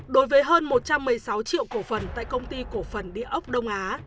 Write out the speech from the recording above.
đối với hơn một trăm một mươi sáu triệu cổ phần tại công ty cổ phần địa ốc đông á